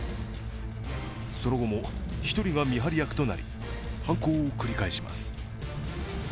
その後も、１人が見張り役となり犯行を繰り返します。